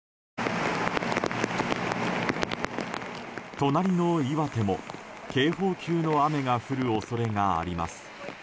隣の岩手も、警報級の雨が降る恐れがあります。